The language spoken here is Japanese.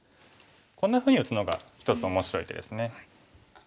こんなふうに打つのが一つ面白い手ですね。